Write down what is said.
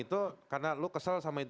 itu karena lu kesel sama itu